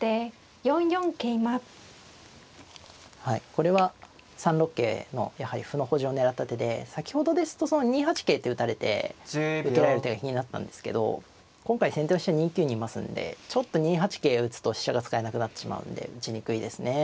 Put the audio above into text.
これは３六桂のやはり歩の補充を狙った手で先ほどですと２八桂って打たれて受けられる手が気になったんですけど今回先手の飛車２九にいますんでちょっと２八桂打つと飛車が使えなくなってしまうんで打ちにくいですね。